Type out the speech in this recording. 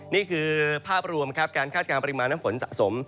นี่คือภาพรวมครับการคาดการณปริมาณน้ำฝนสะสม